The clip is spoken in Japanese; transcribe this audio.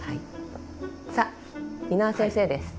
さあ蓑輪先生です。